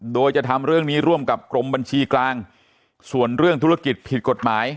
โดยจะทำเรื่องนี้ร่วมกับกรมบัญชีกลางส่วนเรื่องธุรกิจผิดกฎหมาย